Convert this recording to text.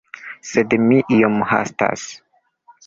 Sed mi iom hastas.